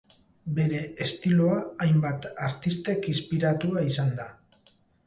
Bere estiloa hainbat artistek inspiratua izan da.